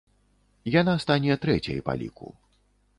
Яна стане трэцяй па ліку.